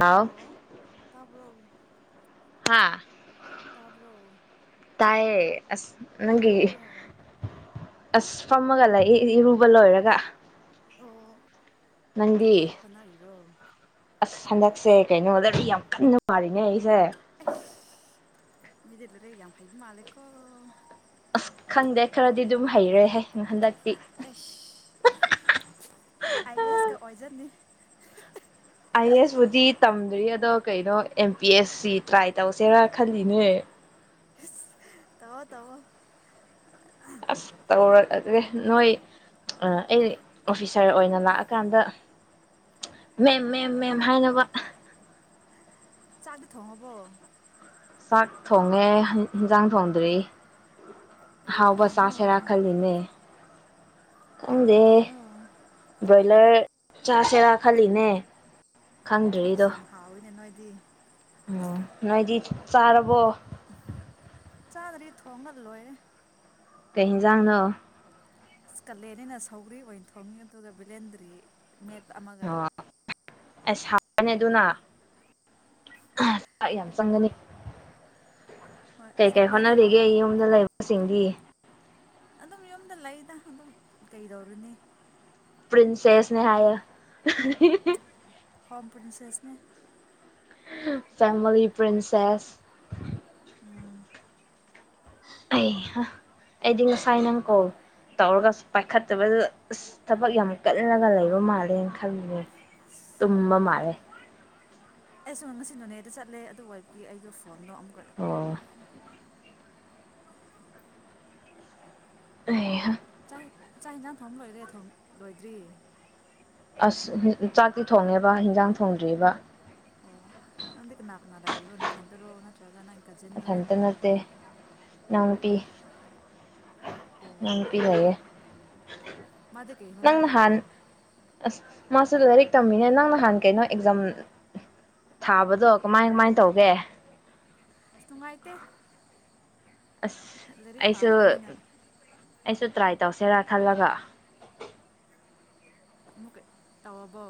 ꯍꯥꯎ hello ꯇꯥꯕ꯭ꯔꯣ ꯍꯥꯥ ꯇꯥꯕ꯭ꯔꯣ ꯇꯥꯏꯌꯦ ꯑꯁ ꯅꯪꯒꯤ ꯀꯩꯗꯧꯔꯤꯅꯣ ꯑꯁ ꯐꯝꯃꯒ ꯂꯩ ꯏꯔꯨꯕ ꯂꯣꯏꯔꯒ ꯑꯣ ꯀꯔꯤ ꯅꯪꯗꯤ ꯀꯔꯤ ꯍꯣꯠꯅꯔꯤꯔꯣ ꯑꯁ ꯍꯟꯗꯛꯁꯦ ꯀꯩꯅꯣꯗꯗꯤ ꯌꯥꯝ ꯀꯟꯅ ꯋꯥꯔꯤꯅꯦ ꯑꯩꯁꯦ ꯁꯦ ꯑꯩꯁ ꯃꯤꯗꯤ ꯂꯥꯢꯔꯤꯛ ꯌꯥꯝ ꯍꯩꯕ ꯃꯥꯂꯦꯀꯣ ꯑꯁ ꯈꯪꯗꯦ ꯈꯔꯗꯤ ꯑꯗꯨꯝ ꯍꯩꯔꯦꯍꯦ ꯍꯟꯗꯛ ꯑꯦꯁ ꯑꯥ ꯒꯁ ꯀ ꯑꯣꯏꯖꯅꯤ ꯑꯥꯏ ꯑꯦꯁꯕꯨꯗꯤ ꯇꯝꯗ꯭ꯔꯤ ꯑꯗꯣ ꯀꯩꯅꯣ M P S C try ꯇꯧꯁꯦꯔꯥ ꯈꯜꯂꯤꯅꯦ ꯇꯧꯑꯣ ꯇꯧꯑꯣ ꯑꯁ ꯇꯧꯔꯛꯑꯒꯦ ꯅꯣꯏ ꯑꯩ ꯑꯣꯐꯤꯁꯥꯔ ꯑꯣꯏꯅ ꯂꯥꯛꯑꯀꯥꯟꯗ ꯃꯦꯝ ꯃꯦꯝ ꯃꯦꯝ ꯅꯪ ꯍꯥꯏꯅꯕ ꯆꯥꯛꯗꯤ ꯊꯣꯡ ꯑꯕꯣ ꯆꯥꯛ ꯊꯣꯡꯉꯦ ꯏꯟꯁꯥꯡ ꯊꯣꯡꯗ꯭ꯔꯤ ꯀꯔꯤ ꯍꯥꯎꯕ ꯃꯊꯦꯜꯅꯣ ꯆꯥꯁꯦꯔꯥ ꯈꯜꯂꯤꯅꯦ ꯀꯔꯤ ꯈꯪꯗꯦꯍꯦ ꯃꯊꯦꯜꯅꯣ ꯂꯔ ꯆꯥꯁꯦꯔꯥ ꯈꯜꯂꯤꯅꯦ ꯁꯤ ꯈꯪꯗ꯭ꯔꯤꯗꯣ ꯌꯥꯝ ꯍꯥꯎꯢꯅ ꯅꯣꯢ ꯗꯤ ꯎꯝ ꯅꯣꯏꯗꯤ ꯆꯥꯔꯕꯣ ꯆꯥꯗ꯭ꯔꯤ ꯊꯣꯡꯉꯂꯣꯏꯔꯦ ꯀꯩ ꯍꯦꯟꯖꯥꯡꯅꯣ ꯀꯥꯂꯦꯟꯅꯤꯅ ꯁꯧꯒ꯭ꯔꯤ ꯑꯣꯏꯅ ꯊꯣꯡꯉꯤ ꯑꯗꯨꯒ ꯕꯤꯂꯦꯟꯗ꯭ꯔꯤ ꯃꯦꯠꯄ ꯑꯃꯒ ꯑꯣ ꯑꯁ ꯍꯥꯎꯕꯅꯤ ꯑꯗꯨꯅ ꯆꯥꯛ ꯌꯥꯝ ꯆꯪꯒꯅꯤ ꯍꯣꯏ ꯀꯩ ꯀꯩ ꯁꯧꯒ꯭ꯔꯤꯗꯤ ꯍꯥꯎꯋꯦ ꯍꯣꯠꯅꯔꯤꯒꯦ ꯑꯗꯨꯝ ꯌꯨꯝꯗ ꯂꯩꯕꯁꯤꯡꯗꯤ ꯑꯗꯨ ꯂꯩꯗ ꯑꯗꯨꯝ ꯀꯩꯗꯧꯔꯨꯅꯤ ꯄ꯭ꯔꯤꯟꯁꯦꯁꯅꯦ ꯍꯥꯏꯌꯣ [inaudible] ꯍꯣ ꯄ꯭ꯔꯤꯟꯁꯦꯁꯅꯦ ꯍꯥ ꯐꯦꯃꯥꯂꯤ ꯄ꯭ꯔꯤꯟꯁꯦꯁ ꯎꯝ ꯑꯩꯍꯥ ꯑꯩꯗꯤ ꯉꯁꯥꯏ ꯅꯪ ꯀꯣꯜ ꯇꯧꯔꯒ ꯁꯨꯛ ꯄꯥꯏꯈꯠꯇꯕꯗꯨꯗ ꯑꯁ ꯊꯕꯛ ꯌꯥꯝ ꯀꯜꯂꯒ ꯂꯩꯕ ꯃꯥꯜꯂꯦ ꯈꯟꯂꯤꯅꯦ ꯇꯨꯝꯕ ꯃꯥꯜꯂꯦ ꯑꯩꯁꯨ ꯉꯁꯤ ꯅꯣꯅꯦꯗ ꯆꯠꯂꯦ ꯑꯗꯨ ꯑꯣꯏꯕꯒꯤ ꯑꯩꯗꯣ ꯐꯣꯟꯗꯣ ꯑꯃꯨꯛꯀ ꯑꯣ ꯑꯩꯍꯥ ꯆꯥꯛ ꯆꯥꯛ ꯏꯟꯖꯥꯡ ꯊꯣꯡ ꯂꯣꯏꯔꯦ ꯊꯣꯡ ꯂꯣꯏꯗ꯭ꯔꯤ ꯑꯁ ꯆꯥꯛꯇꯤ ꯊꯣꯡꯉꯦꯕ ꯍꯦꯟꯖꯥꯡ ꯊꯣꯡꯗ꯭ꯔꯤꯕ ꯑꯣ ꯅꯪꯗꯤ ꯀꯅꯥꯀꯅꯥ ꯂꯩꯔꯤꯔꯣ ꯅꯊꯟꯗꯔꯣ ꯅꯠꯇ꯭ꯔꯒ ꯅꯪ ꯀꯖꯤꯟꯔꯣ ꯅꯪ ꯃꯊꯟꯇꯥ ꯅꯠꯇꯦ ꯢꯅꯥꯎꯅꯨꯄꯤ ꯑꯣ ꯑꯣ ꯢꯅꯥꯎꯅꯨꯄꯤ ꯂꯩꯌꯦ ꯃꯥꯗꯤ ꯀꯩ ꯅꯪ ꯍꯣꯠꯅꯔꯤꯔꯣ ꯅꯍꯥꯟ ꯑꯁ ꯃꯥꯁꯨ ꯂꯥꯏꯔꯤꯛ ꯇꯝꯃꯤꯅꯦ ꯅꯪ ꯅꯍꯥꯟ ꯀꯩꯅꯣ ꯑꯦꯛꯖꯥꯝ ꯊꯥꯕꯗꯣ ꯀꯃꯥꯏ ꯀꯃꯥꯏ ꯇꯧꯒꯦ ꯅꯨꯡꯉꯥꯏꯇꯦ ꯑꯁ ꯂꯥꯏꯔꯤꯛ ꯑꯩꯁꯨ ꯄꯥꯗꯕꯅꯤꯅ ꯑꯩꯁꯨ ꯇ꯭ꯔꯥꯏ ꯇꯧꯁꯦꯔꯥ ꯈꯜꯂꯒ ꯑꯃꯨꯛꯀ ꯇꯧꯔꯕꯣ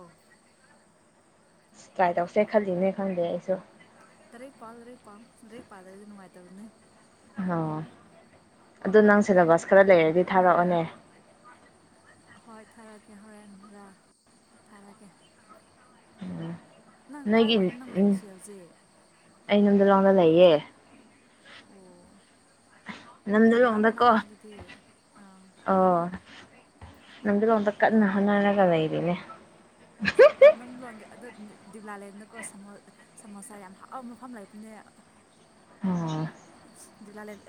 ꯑꯁ ꯇ꯭ꯔꯥꯏ ꯇꯧꯁꯦ ꯈꯜꯂꯤꯅꯦ ꯈꯪꯗꯦ ꯑꯩꯁꯨ ꯂꯥꯢꯔꯤꯛ ꯄꯥꯎ ꯂꯥꯢꯔꯤꯛ ꯄꯥꯎ ꯂꯥꯢꯔꯤꯛ ꯄꯥꯗ꯭ꯔꯗꯤ ꯅꯨꯡꯉꯥꯏꯇꯕꯅꯦ ꯑꯣ ꯑꯗꯨ ꯅꯪ ꯁꯦꯂꯕꯁ ꯈꯔ ꯂꯩꯔꯗꯤ ꯊꯥꯔꯛꯑꯣꯅꯦ ꯍꯣꯏ ꯊꯥꯔꯛꯑꯒꯦ ꯍꯣꯔꯦꯟꯔꯥ ꯊꯥꯔꯛꯑꯒꯦ ꯎꯝ ꯅꯪ ꯀꯥꯏ ꯅꯣꯏꯒꯤ ꯋꯥꯏꯗ ꯅꯪ ꯂꯩꯔꯤꯁꯤ ꯍꯧꯖꯤꯛ ꯑꯩ ꯅꯝꯗꯨꯂꯣꯡꯗ ꯂꯩꯌꯦ ꯑꯣ ꯅꯥꯒꯔꯝ ꯅꯝꯗꯂꯣꯡꯗꯀꯣ ꯃꯅꯥꯛꯅꯦ ꯑꯗꯨꯗꯤ ꯑꯥ ꯅꯝꯗꯨꯂꯣꯡꯗ ꯀꯟꯅꯥ ꯍꯣꯠꯅꯔꯒ ꯂꯩꯔꯤꯅꯦ ꯎꯍꯝ ꯅꯝꯗꯨꯂꯣꯡꯒꯤ ꯑꯗꯨ ꯗꯤꯎꯂꯥꯂꯦꯟꯗꯀꯣ ꯁꯃꯣ ꯁꯃꯣꯁꯥ ꯌꯥꯝ ꯍꯥꯎꯕ ꯃꯐꯝ ꯂꯩꯕꯅꯦ ꯑꯣ ꯗꯤꯎꯂꯥꯂꯦꯟ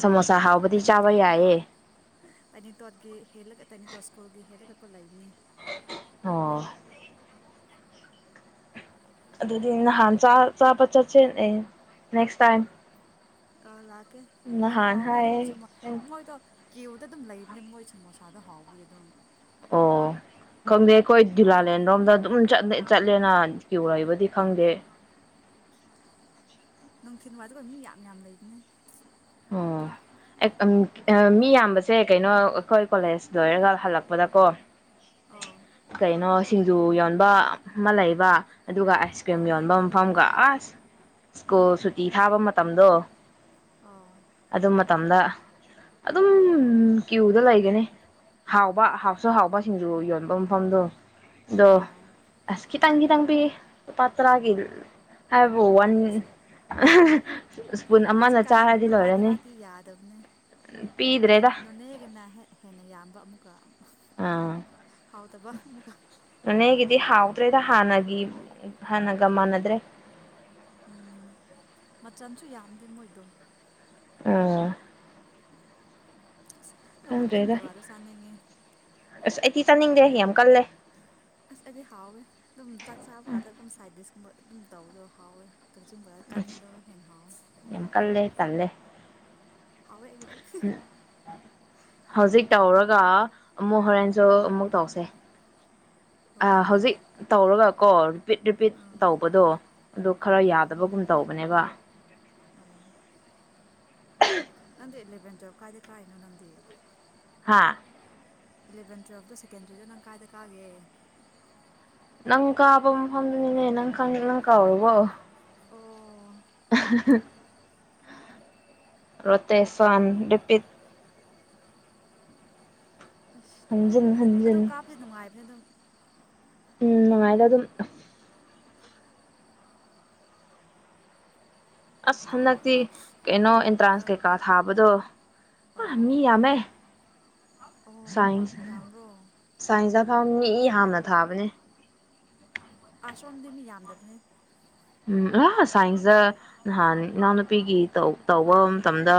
ꯁꯃꯣꯁꯥ ꯍꯥꯎꯕꯗꯤ ꯆꯥꯕ ꯌꯥꯏꯌꯦ ꯇꯅꯤꯇꯣꯠꯀꯤ ꯍꯦꯜꯂꯒ ꯇꯥꯢꯅꯤꯇꯣꯠꯁ ꯁꯀꯨ꯭ꯂꯒꯤ ꯍꯦꯜꯂꯒ ꯀꯣ ꯂꯩꯕꯅꯦ ꯑꯣ ꯑꯗꯨꯗꯤ ꯅꯍꯥꯟ ꯆꯥ ꯆꯥꯕ ꯆꯠꯁꯦꯅꯦ ꯅꯦꯛꯁ ꯇꯥꯏꯝ ꯑꯥ ꯂꯥꯠ ꯑꯦ ꯌꯥꯝ ꯅꯍꯥꯟ ꯍꯥꯎꯕꯅꯦ ꯑꯗꯣ ꯁꯥꯃꯣ ꯍꯥꯏꯌꯦ ꯃꯣꯏꯗꯣ ꯀꯤꯎꯗ ꯑꯗꯨꯝ ꯂꯩꯕꯅꯦ ꯃꯣꯏ ꯁꯃꯣꯁꯥꯗꯣ ꯍꯥꯎꯕꯒꯤ ꯑꯗꯨꯝ ꯑꯣ ꯈꯪꯗꯦ ꯑꯩꯈꯣꯏ ꯗꯤꯎꯂꯥꯂꯦꯟꯔꯣꯝꯗ ꯑꯗꯨꯝ ꯆꯠꯂꯦꯅ ꯀꯤꯎ ꯂꯩꯕꯗꯤ ꯈꯪꯗꯦ ꯅꯨꯡꯊꯤꯟ ꯋꯥꯢꯗ ꯃꯤ ꯌꯥꯝ ꯌꯥꯝ ꯂꯩꯕꯅꯦ ꯑꯣ ꯑꯦꯛ ꯑꯝ ꯑꯥ ꯃꯤ ꯌꯥꯝꯕꯁꯦ ꯀꯩꯅꯣ ꯑꯩꯈꯣꯏ ꯀꯣꯂꯦꯖ ꯂꯣꯏꯔꯒ ꯍꯜꯂꯛꯄꯗꯀꯣ ꯑꯣ ꯀꯩꯅꯣ ꯁꯤꯡꯖꯨ ꯌꯣꯟꯕ ꯑꯃ ꯂꯩꯕ ꯑꯗꯨꯒ ꯑꯥꯏꯁ ꯀ꯭ꯔꯤꯝ ꯑꯣ ꯌꯣꯟꯕ ꯃꯐꯝꯒ ꯑꯁ ꯁ꯭ꯀꯨꯜ ꯁꯨꯇꯤ ꯊꯥꯕ ꯃꯇꯝꯗꯣ ꯑꯣ ꯑꯗꯣ ꯃꯠ ꯃꯇꯝꯗ ꯑꯗꯨꯝ ꯀ꯭ꯌꯨꯗ ꯂꯩꯒꯅꯤ ꯍꯥꯎꯕ ꯍꯥꯎꯁꯨ ꯍꯥꯎꯕ ꯁꯤꯡꯖꯨ ꯌꯣꯟꯕ [unintelligible] ꯗꯣ ꯑꯣ ꯑꯁ ꯈꯤꯇꯪ ꯈꯤꯇꯪ ꯄꯤ ꯂꯨꯄꯥ ꯇ꯭ꯔꯥꯒꯤ ꯍꯥꯏꯕꯨ ꯋꯥꯟ ꯑꯁ ꯁ꯭ꯄꯨꯟ ꯑꯃꯅ ꯍꯧꯖꯤꯛꯀꯥꯟ ꯆꯥꯔꯗꯤ ꯁꯤꯡꯖꯨꯗꯣ ꯂꯨꯄꯥ ꯂꯣꯏꯔꯅꯤ ꯇꯔꯥꯗꯤ ꯌꯥꯗꯝꯅꯦ ꯅꯟ ꯄꯤꯗ꯭ꯔꯦꯗ ꯅꯣꯅꯦꯒꯅꯍꯦꯠ ꯍꯦꯟꯅ ꯌꯥꯝꯕ ꯑꯃꯨꯛꯀ ꯑꯥ ꯍꯥꯎ ꯇꯕ ꯑꯃꯨꯝꯀ ꯅꯣꯅꯦꯒꯤꯗꯤ ꯍꯥꯎꯗ꯭ꯔꯦꯗ ꯍꯥꯟꯅꯒꯤ ꯎ ꯍꯥꯟꯅꯒ ꯃꯥꯟꯅꯗ꯭ꯔꯦ ꯎꯝ ꯃꯆꯜꯁꯨ ꯌꯥꯝꯗꯦ ꯃꯣꯏꯗꯣ ꯑꯥ ꯑꯣ ꯀꯛꯆꯤꯡ ꯈꯪꯗ꯭ꯔꯦꯗ ꯕꯣꯔꯥꯗꯣ ꯆꯥꯅꯤꯡꯉꯦ ꯑꯁ ꯑꯩꯗꯤ ꯆꯥꯅꯤꯡꯗꯦ ꯌꯥꯝ ꯀꯜꯂꯦ ꯑꯁ ꯑꯩꯗꯤ ꯍꯥꯎꯋꯦ ꯑꯗꯨꯝ ꯆꯥꯛ ꯆꯥꯕ ꯀꯥꯗꯒꯨꯝꯕ ꯁꯥꯏꯗꯤꯁꯀꯨꯝꯕ ꯑꯗꯨꯝ ꯇꯧꯕꯗꯣ ꯍꯥꯎꯋꯦ ꯀꯛꯆꯤꯡ ꯕꯣꯔꯥ ꯀꯥꯟꯕꯗꯣ ꯍꯦꯟ ꯍꯥꯎꯋꯦ ꯌꯥꯝ ꯀꯜꯂꯦ ꯇꯜꯂꯦ ꯍꯥꯎꯋꯦ ꯑꯩꯒꯤꯗꯤ ꯍꯧꯖꯤꯛ ꯇꯧꯔꯒ ꯑꯃꯨꯛ ꯍꯣꯔꯦꯟꯁꯨ ꯑꯃꯨꯛ ꯇꯧꯁꯦ ꯑ ꯍꯣꯏ ꯍꯧꯖꯤꯛ ꯇꯧꯔꯒꯀꯣ ꯔꯤꯄꯤꯠ ꯔꯤꯄꯤꯠ ꯑꯥ ꯇꯧꯕꯗꯣ ꯑꯗꯨ ꯈꯔ ꯎꯝ ꯌꯥꯗꯕꯒꯨꯝ ꯇꯧꯕꯅꯦꯕ ꯑꯣ ꯅꯪꯗꯤ ꯏꯂꯕꯦꯟ ꯇ꯭ꯋꯦꯜ ꯀꯥꯏꯗ ꯀꯥꯏꯅꯣ ꯅꯪꯗꯤ ꯍꯥꯥ ꯏꯂꯚꯦꯟ ꯇ꯭ꯨꯋꯦꯜꯞꯇ ꯁꯦꯀꯦꯟꯗ꯭ꯔꯤꯗ ꯅꯪ ꯀꯥꯏꯗ ꯀꯥꯒꯦ ꯅꯪ ꯀꯥꯕ ꯃꯐꯝꯗꯨꯅꯤꯅꯦ ꯅꯪ ꯈꯪ ꯅꯪ ꯀꯥꯎꯔꯕꯣ ꯑꯣ ꯔꯣꯇꯦꯁꯟ ꯔꯤꯄꯤꯠ ꯑꯁ ꯅꯨꯡꯉꯥꯏꯔꯦ ꯍꯟꯖꯤꯟ ꯑꯁ ꯑꯗꯨ ꯍꯟꯖꯤꯟ ꯀꯥꯞꯄꯗꯤ ꯅꯨꯡꯉꯥꯏꯕꯅꯦ ꯑꯗꯨꯝ ꯎꯝ ꯅꯨꯉꯥꯏꯗ ꯑꯗꯨꯝ ꯑꯁ ꯍꯟꯗꯛꯇꯤ ꯅꯣꯏ ꯀꯩꯅꯣ ꯑꯦꯟꯇ꯭ꯔꯥꯟꯁ ꯀꯩꯀꯥ ꯊꯥꯕꯗꯣ ꯍ ꯑꯣ ꯃꯤ ꯌꯥꯝꯃꯦ ꯑꯣ ꯥꯁꯥꯏꯁ ꯌꯥꯝꯕ꯭ꯔꯣ ꯁꯥꯏꯁ ꯑꯞ [unintelligible] ꯁꯣꯝꯗꯤ ꯃꯤ ꯌꯥꯝꯗꯕꯅꯦ ꯎꯝ ꯑꯥ ꯁꯥꯏꯟꯁꯇ ꯅꯍꯥꯟ ꯏꯅꯥꯎꯅꯨꯄꯤꯒꯤ ꯇꯧ ꯇꯧꯕ ꯃꯇꯝꯗ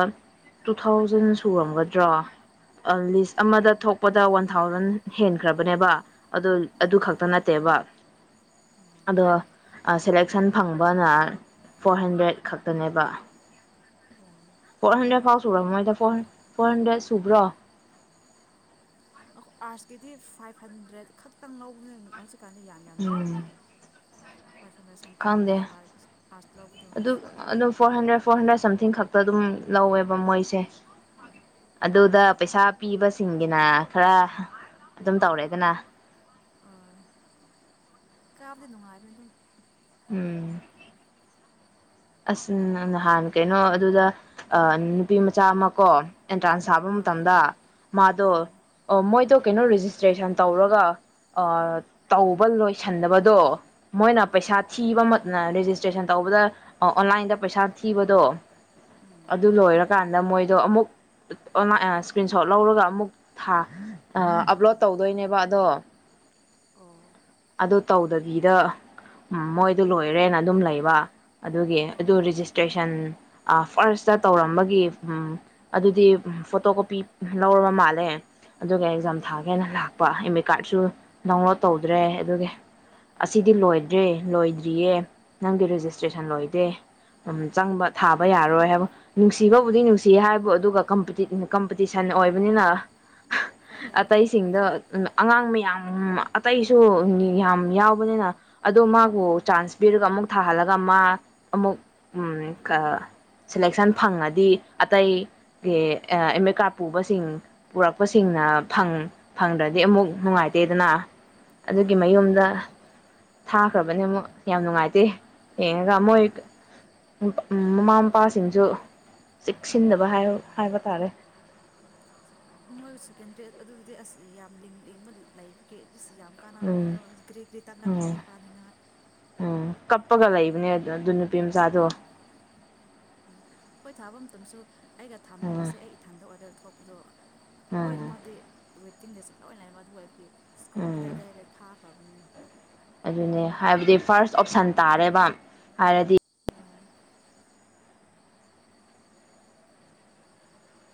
ꯇꯨ ꯊꯥꯎꯖꯟ ꯁꯨꯔꯝꯒꯗ꯭ꯔꯥ ꯑ ꯂꯤꯁ ꯑꯃꯗ ꯊꯣꯛꯄꯗ ꯋꯥꯟ ꯊꯥꯎꯖꯟ ꯍꯦꯟꯈ꯭ꯔꯕꯅꯦꯕ ꯑꯗꯨ ꯑꯗꯨ ꯑꯣ ꯈꯛꯇ ꯅꯠꯇꯦꯕ ꯑꯗꯣ [unintelligible] ꯁꯟ ꯐꯪꯕꯅ ꯐꯣꯔ ꯍꯟꯗ꯭ꯔꯦꯗ ꯈꯛꯇꯅꯦꯕ [inaudible] ꯐꯣꯔ ꯍꯟꯗ꯭ꯔꯦꯠ ꯐꯥꯎ ꯁꯨꯔꯝꯃꯣꯏꯗ ꯐꯣꯔ ꯍꯟꯗ꯭ꯔꯦꯠ ꯁꯨꯕ꯭ꯔꯣ ꯑꯩꯈꯣꯏ ꯑꯥꯔꯁꯀꯤꯗꯤ ꯐꯥꯏꯚ ꯍꯟꯗ꯭ꯔꯦꯗ ꯈꯛꯇꯪ ꯂꯧꯕꯅꯦ ꯍꯧꯖꯤꯛ ꯀꯥꯟꯗ ꯌꯥꯝ ꯌꯥꯝ ꯂꯧꯔꯕꯣ ꯎꯝ ꯄꯥꯔꯁꯟꯗ ꯁꯝꯊꯤꯡ ꯈꯛꯇꯅꯦ ꯈꯪꯗꯦ ꯑꯥꯔꯠꯁ ꯂꯧꯕꯗꯣ ꯑꯗꯨ ꯑꯗꯨꯝ four hundred four hundred something ꯈꯛꯇ ꯑꯗꯨꯝ ꯂꯧꯋꯦꯕ ꯃꯣꯏꯁꯦ ꯎꯝ ꯑꯗꯨꯗ ꯄꯩꯁꯥ ꯄꯤꯕꯁꯤꯡꯒꯤꯅ ꯈꯔ ꯑꯗꯨꯝ ꯇꯧꯔꯦꯗꯅ ꯀꯥꯕꯗꯤ ꯅꯨꯡꯉꯥꯏꯕꯅꯦ ꯑꯗꯨꯝ ꯎꯝ ꯑꯁ ꯅꯍꯥꯟ ꯀꯩꯅꯣ ꯑꯗꯨꯗ ꯅꯨꯄꯤ ꯃꯆꯥ ꯑꯃ ꯀꯣ ꯑꯦꯟꯇ꯭ꯔꯥꯟꯁ ꯊꯕ ꯑꯥ ꯃꯇꯝꯗ ꯃꯥꯗꯣ ꯎꯝ ꯑꯣ ꯃꯣꯏꯗꯣ ꯀꯩꯅꯣ ꯔꯦꯖꯤꯁꯇ꯭ꯔꯦꯁꯟ ꯇꯧꯔꯒ ꯇꯧꯕ ꯂꯣꯏꯁꯟꯗꯕꯗꯣ ꯃꯣꯏꯅ ꯑꯥ ꯄꯩꯁꯥ ꯊꯤꯕ ꯔꯦꯖꯤꯁꯇ꯭ꯔꯦꯁꯟ ꯇꯧꯕꯗ ꯑꯣꯟꯂꯥꯏꯟꯗ ꯄꯩꯁꯥ ꯊꯤꯕꯗꯣ ꯎꯝ ꯑꯗꯨ ꯂꯣꯏꯔꯀꯥꯟꯗ ꯃꯣꯏꯗꯣ ꯑꯃꯨꯛ ꯏꯁꯀ꯭ꯔꯤꯟ ꯁꯣꯠ ꯂꯧꯔꯒ ꯑꯃꯨꯛ ꯊꯥ ꯑꯞꯂꯣꯗ ꯇꯧꯗꯣꯏꯅꯦꯕ ꯑꯗꯣ ꯑꯣ ꯑꯗꯨ ꯇꯧꯗꯕꯤꯗ ꯃꯣꯏꯗꯨ ꯂꯣꯏꯔꯦꯅ ꯑꯗꯨꯝ ꯂꯩꯕ ꯑꯗꯨꯒꯤ ꯑꯗꯨ ꯑꯣ ꯔꯦꯖꯤꯁꯇ꯭ꯔꯦꯁꯟ ꯐꯥꯔꯁꯇ ꯇꯧꯔꯝꯕꯒꯤ ꯎꯝ ꯑꯗꯨꯗꯤ ꯎꯝ ꯐꯣꯇꯣ ꯀꯣꯄꯤ ꯎꯝ ꯂꯧꯔꯕ ꯃꯥꯜꯂꯦ ꯑꯗꯨꯒ ꯑꯦꯛꯖꯥꯝ ꯑꯣ ꯊꯥꯒꯦꯅ ꯂꯥꯛꯄ ꯑꯦꯗꯃꯤꯠ ꯀꯥꯔꯠꯁꯨ ꯗꯥꯎꯟꯂꯣꯗ ꯇꯧꯗ꯭ꯔꯦ ꯑꯗꯨꯒꯤ ꯑꯁꯤꯗꯤ ꯂꯣꯏꯗ꯭ꯔꯤ ꯂꯣꯏꯗ꯭ꯔꯤꯌꯦ ꯅꯪꯒꯤ ꯔꯦꯖꯤꯁ ꯇꯦꯁꯟ ꯂꯣꯢꯗꯦ ꯆꯪꯕ ꯊꯥꯕ ꯌꯥꯔꯣꯏ ꯍꯥꯏꯕ ꯅꯨꯡꯁꯤꯕꯕꯨꯗꯤ ꯅꯨꯡꯁꯤ ꯍꯥꯏꯕꯨ ꯑꯗꯨꯒ ꯀꯝꯄꯤꯇꯤꯠ ꯀꯝꯄꯤꯇꯤꯁꯟ ꯑꯣꯏꯕꯅꯤꯅ ꯎꯄꯥꯏ ꯂꯩꯇꯦ ꯑꯇꯩꯁꯤꯡꯗꯣ ꯑꯉꯥꯡ ꯃꯌꯥꯝ ꯑꯇꯩꯁꯨ ꯌꯥꯝ ꯌꯥꯎꯕꯅꯤꯅ ꯑꯗꯣ ꯃꯥꯕꯨ ꯆꯥꯟꯁ ꯄꯤꯔꯒ ꯑꯃꯨꯛ ꯊꯥꯍꯜꯂꯛ ꯑꯗꯨꯒ ꯃꯥ ꯑꯃꯨꯛ ꯁꯦꯂꯦꯛꯁꯟ ꯐꯪꯉꯗꯤ ꯑꯇꯩ ꯑꯦꯝ ꯑꯦ ꯀꯥꯔꯗ ꯄꯨꯕꯁꯤꯡ ꯄꯨꯔꯛꯄꯁꯤꯡꯅ ꯐꯪꯗ꯭ꯔꯗꯤ ꯑꯃꯨꯛ ꯅꯨꯡꯉꯥꯏꯇꯦꯗꯅ ꯑꯗꯨꯒꯤ ꯑꯥ ꯃꯌꯨꯝꯗ ꯊꯥꯈ꯭ꯔꯕꯅꯦ ꯑꯃꯨꯛ ꯌꯥꯝ ꯅꯨꯡꯉꯥꯏꯇꯦ ꯌꯦꯡꯉꯒ ꯃꯣꯏ ꯃꯃꯥ ꯃꯄꯥꯁꯤꯡꯁꯨ ꯆꯦꯛꯁꯤꯟꯗꯕ ꯍꯥꯏꯕ ꯇꯥꯔꯦ ꯃꯣꯏ ꯁꯦꯀꯦꯟ ꯗ꯭ꯔꯦꯗ ꯑꯗꯨꯗꯤ ꯑꯁ ꯌꯥꯝ ꯂꯤꯡ ꯂꯤꯡꯕ ꯂꯩꯕꯒꯤ ꯏꯁ ꯌꯥꯝ ꯀꯥꯟꯅꯕꯅꯦ ꯑꯗꯣ ꯎꯝ ꯒ꯭ꯔꯤꯒꯤꯔꯤ ꯇꯛꯂꯛꯅꯦ ꯎꯝ ꯀꯥꯅꯤꯡꯉꯥꯏ ꯎꯝ ꯀꯞꯄꯒ ꯂꯩꯕꯅꯦ ꯃꯆꯥꯗꯣ ꯎꯝ ꯎꯝ ꯍꯣꯏ ꯊꯥꯕ ꯃꯇꯝꯁꯨ ꯑꯩꯒ ꯎꯝ ꯊꯥꯃꯤꯅꯕꯁꯦ ꯑꯩ ꯏꯊꯟꯗ ꯑꯣꯔ ꯊꯣꯛꯄꯗꯣ ꯎꯝ ꯂꯣꯢꯅꯃꯗꯤ ꯋꯦꯇ ꯇꯤꯡꯗ ꯆꯠꯂ ꯂꯣꯏ ꯂꯩꯕ ꯑꯗꯨꯕꯨ ꯑꯦꯄ꯭ꯂꯤ ꯁ꯭ꯀꯨꯜ ꯎꯝ ꯑꯇꯩ ꯑꯇꯩꯗ ꯊꯥ ꯐꯕꯅꯦ ꯑꯗꯨꯅꯦ ꯍꯥꯏꯕꯗꯤ ꯐꯥꯔꯁ ꯑꯣꯞꯁꯟ ꯇꯥꯔꯦꯕ ꯍꯥꯏꯔꯗꯤ ꯑꯣ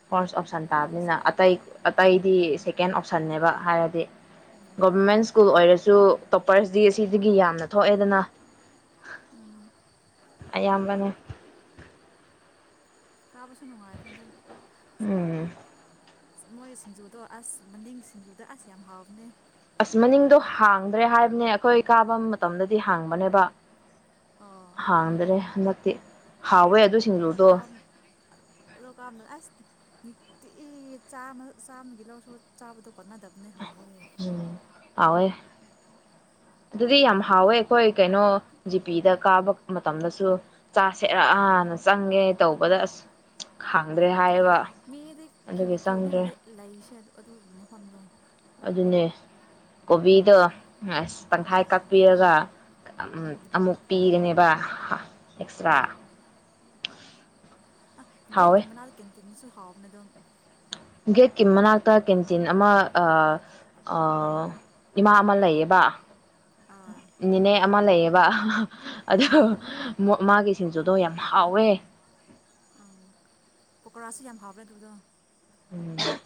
ꯐꯥꯔꯁ ꯑꯣꯞꯁꯟ ꯈꯪꯗꯦ ꯇꯥꯕꯅꯤꯅ ꯑꯇꯩ ꯑꯇꯩꯗꯤ ꯁꯦꯀꯦꯟ ꯑꯣꯞꯁꯟꯅꯦꯕ ꯍꯥꯏꯔꯗꯤ ꯎꯝ ꯒꯣꯚꯔꯃꯦꯟ ꯁ꯭ꯀꯨꯜ ꯑꯣꯏꯔꯁꯨ ꯇꯣꯄꯔꯁꯗꯤ ꯑꯁꯤꯗꯒꯤ ꯌꯥꯝꯅ ꯊꯣꯛꯑꯦꯗꯅ ꯎꯝ ꯑꯌꯥꯝꯕꯅꯦ ꯀꯥꯕꯁꯨ ꯅꯨꯡꯉꯥꯏꯕꯅꯤ ꯑꯗꯨꯝ ꯎꯝ ꯑꯁ ꯃꯣꯏꯒꯤ ꯁꯤꯡꯖꯨꯗꯣ ꯑꯁ ꯃꯅꯤꯡ ꯁꯤꯡꯖꯨꯗꯣ ꯑꯁ ꯌꯥꯝ ꯍꯥꯎꯕꯅꯦ ꯑꯁ ꯃꯅꯤꯡꯗꯣ ꯍꯥꯡꯗ꯭ꯔꯦ ꯍꯥꯏꯕꯅꯦ ꯑꯩꯈꯣꯏ ꯀꯥꯕ ꯃꯇꯝꯗꯗꯤ ꯍꯥꯡꯕꯅꯦꯕ ꯑꯣ ꯍꯥꯡꯗ꯭ꯔꯦ ꯅ ꯇꯤ ꯑꯩꯈꯣꯏ ꯀꯥꯝ ꯑꯗꯨ ꯀꯥꯝ ꯃꯇꯝꯗ ꯑꯁ ꯅꯨꯡꯇꯤꯒꯤ ꯆꯥꯃ ꯆꯥꯝꯃꯒꯤ ꯂꯧꯔꯁꯨ ꯆꯥꯕꯗꯣ ꯀꯣꯟꯅꯗꯕꯅꯦ ꯍꯥꯎꯕꯒꯤ ꯎꯝ ꯍꯥꯎꯋꯦ ꯑꯗꯨꯗꯤ ꯌꯥꯝ ꯍꯥꯎꯋꯦ ꯑꯩꯈꯣꯏ ꯀꯩꯅꯣ ꯖꯤꯄꯤꯗ ꯀꯥꯕ ꯃꯇꯝꯗꯁꯨ ꯆꯥ ꯁꯦꯔꯥꯅ ꯆꯪꯉꯦ ꯇꯧꯕꯗ ꯑꯁ ꯍꯥꯡꯗ꯭ꯔꯦ ꯃꯤꯗꯤ ꯀ꯭ꯌꯨ ꯀ꯭ꯌꯨꯅꯦ ꯂꯦ ꯂꯩꯔꯤꯁꯦ ꯑꯗꯨ ꯃꯐꯝꯗꯣ ꯑꯗꯨꯅꯦ ꯀꯣꯕꯤꯗꯣ ꯑꯁ ꯇꯪꯈꯥꯏ ꯑꯥ ꯀꯛꯄꯤꯔꯒ ꯑꯝ ꯎꯝ ꯑꯃꯨꯛ ꯄꯤꯒꯅꯦꯕ ꯑꯦꯛꯁꯇ꯭ꯔꯥ ꯑ ꯒꯦꯠꯀꯤ ꯍꯥꯎꯋꯦ ꯃꯅꯥꯛꯗ ꯀꯦꯟꯇꯤꯟꯁꯨ ꯍꯥꯎꯕꯅꯦ ꯗꯣ ꯒꯦꯠꯀꯤ ꯃꯅꯥꯛꯇ ꯀꯦꯟꯇꯤꯟ ꯑꯃ ꯑ ꯑ ꯏꯃꯥ ꯑꯃ ꯂꯩꯌꯦꯕ ꯑꯥ ꯅꯤꯅꯦ ꯑꯃ ꯂꯩꯌꯦꯕ ꯍ ꯍ ꯑꯗꯣ ꯑꯥ ꯃꯣ ꯃꯥꯒꯤ ꯁꯤꯡꯖꯨꯗꯣ ꯌꯥꯝ ꯍꯥꯎꯋꯦ ꯎꯝ ꯄꯥꯀꯣꯔꯥꯁꯨ ꯌꯥꯝ ꯍꯥꯎꯕꯅꯦ ꯑꯗꯨꯒꯤꯗꯣ ꯎꯝ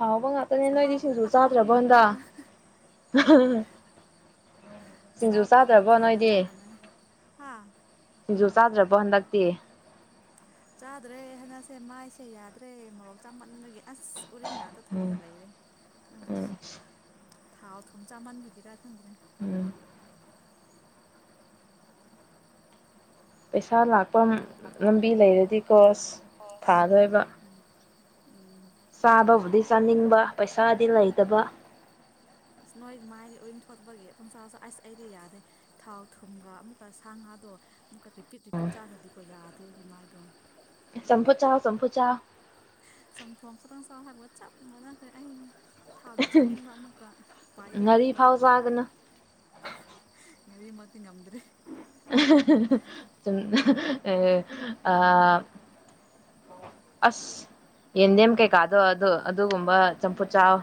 ꯍꯥꯎꯕ ꯉꯥꯛꯇꯅꯦ ꯅꯣꯏꯗꯤ ꯑꯍꯥꯎꯕ ꯁꯤꯡꯖꯨ ꯑꯍꯥꯎꯕ ꯆꯥꯗ꯭ꯔꯕꯣ ꯍꯟꯗꯛ ꯉꯥꯛꯇꯪ ꯑ ꯍ ꯍ ꯁꯤꯡꯖꯨ ꯆꯥꯕꯗ ꯆꯥꯗ꯭ꯔꯕꯣ ꯉꯥꯎꯖꯩꯒ ꯅꯣꯏꯗꯤ ꯆꯞ ꯃꯥꯟꯅꯩ ꯍꯥ ꯁꯤꯡꯖꯨ ꯆꯥꯗ꯭ꯔꯕꯣ ꯍꯟꯗꯛꯇꯤ ꯆꯥꯗ꯭ꯔꯦ ꯍꯟꯗꯛꯁꯦ ꯃꯥꯏꯁꯦ ꯌꯥꯗ꯭ꯔꯦ ꯃꯣꯔꯣꯛ ꯆꯥꯃꯟꯕꯒꯤ ꯑꯁ ꯎꯔꯤꯡ ꯉꯥꯛꯇ ꯊꯣꯛꯑꯒ ꯎꯝ ꯂꯩꯔꯦ ꯈꯪꯗꯦꯁ ꯎꯝ ꯊꯥꯎ ꯊꯨꯝ ꯆꯥꯃꯟꯕꯒꯤꯔ ꯈꯪꯗ꯭ꯔꯦ ꯎꯝ ꯄꯩꯁꯥ ꯂꯥꯛ ꯄꯝ ꯂꯝꯕꯤ ꯂꯩꯔꯗꯤꯀꯣ ꯑꯁ ꯐꯥꯗꯣꯏꯕ ꯎꯝ ꯎꯝ ꯆꯥꯕꯕꯨꯗꯤ ꯆꯥꯅꯤꯡꯕ ꯄꯩꯁꯥꯗꯤ ꯂꯩꯇꯕ ꯑꯁ ꯅꯣꯏ ꯃꯥꯏꯗꯤ ꯎꯔꯤꯡ ꯊꯣꯛꯇꯕꯒꯤ ꯄꯪꯆꯥꯁꯨ ꯑꯁ ꯑꯩꯗꯤ ꯌꯥꯗꯦ ꯊꯥꯎ ꯊꯨꯝꯒ ꯑꯃꯨꯛꯀ ꯁꯥ ꯉꯥꯗꯣ ꯑꯃꯨꯀ ꯄꯤꯠ ꯔꯤꯄꯤꯠ ꯆꯥꯈ꯭ꯔꯗꯤꯀꯣ ꯌꯥ ꯑꯩꯒꯤ ꯃꯥꯏꯗꯣ ꯆꯝꯐꯨꯠ ꯆꯥꯎ ꯆꯝꯐꯨꯠ ꯆꯥꯎ ꯁꯨꯝ ꯊꯣꯡꯁ ꯊꯣꯡꯁ ꯍꯥꯏꯕ ꯆꯞ ꯃꯥꯟꯅꯈ꯭ꯔꯦ ꯑꯩ ꯊꯥꯎꯗꯤ ꯆꯥꯅꯤꯡꯕ ꯑꯃꯨꯛꯀ ꯎꯄꯥꯏꯗꯤ ꯉꯥꯔꯤ ꯂꯩꯇꯕ ꯐꯥꯎ ꯆꯥꯒꯅꯨ ꯉꯥꯔꯤꯃꯛꯇꯤ ꯉꯝꯗ꯭ꯔꯦ ꯑꯍ ꯑꯍ ꯑꯍ ꯆꯨꯝ ꯑ ꯑꯥ ꯑꯁ ꯌꯦꯟꯗꯦꯝ ꯀꯩꯀꯥꯗꯣ ꯑꯗꯣ ꯑꯗꯨꯒꯨꯝꯕ ꯆꯝꯐꯨꯠ ꯆꯥꯎꯑꯣ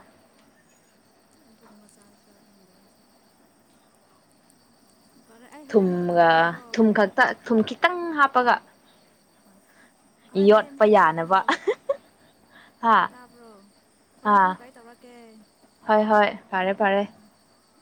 ꯑꯗꯨꯒꯨꯝꯕ ꯆꯥꯁꯤꯔꯥ ꯈꯪꯗ꯭ꯔꯦ ꯑꯩꯁꯨ ꯐꯔꯦ ꯑꯩ ꯍꯣꯔꯦꯟ ꯑꯃꯨꯛꯀ ꯊꯨꯝꯒ ꯇꯧꯔꯛꯀꯦꯀꯣ ꯊꯨꯝ ꯈꯛꯇ ꯊꯨꯝ ꯈꯤꯇꯪ ꯍꯥꯞꯄꯒ ꯑꯥ ꯍꯣꯔꯦꯟ ꯑꯩ ꯌꯣꯠꯄ ꯑꯃꯨꯛꯀ ꯇꯧꯔꯛꯀꯦꯀꯣ ꯌꯥꯅꯕ ꯍꯥ ꯇꯥꯕ꯭ꯔꯣ ꯍꯣꯔꯦꯟ ꯑꯥ ꯑꯃꯨꯛꯀ ꯑꯩ ꯇꯧꯔꯛꯀꯦ ꯍꯣꯏ ꯍꯣꯏ ꯐꯔꯦ ꯐꯔꯦ ꯑꯥ